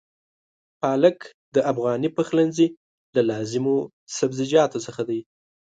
پالک د افغاني پخلنځي له لازمو سبزيجاتو څخه دی.